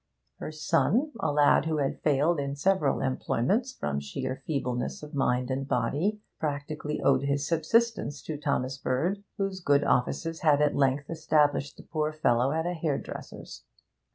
Her son, a lad who had failed in several employments from sheer feebleness of mind and body, practically owed his subsistence to Thomas Bird, whose good offices had at length established the poor fellow at a hairdresser's.